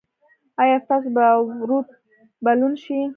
ایا ستاسو باروت به لوند شي؟